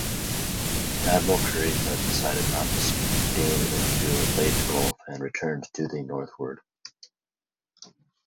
Admiral Kurita decided not to steam into Leyte Gulf and returned to the northward.